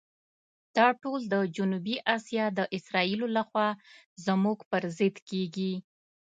دا ټول د جنوبي آسیا د اسرائیلو لخوا زموږ پر ضد کېږي.